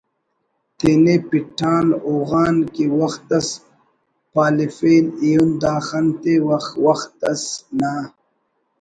تینے پِٹّان ہوغان کہ وخت اس پالفین ایہن دا خن تے و وخت اس نا